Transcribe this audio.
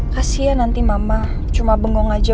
kasian nanti mama cuma bengong aja